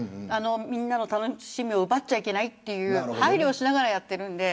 みんなの楽しみを奪ってはいけないという配慮をしながらやっているので。